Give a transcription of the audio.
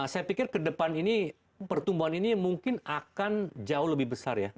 saya pikir ke depan ini pertumbuhan ini mungkin akan jauh lebih besar ya